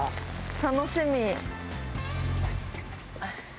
楽しみ。